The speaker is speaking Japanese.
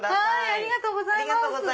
ありがとうございます。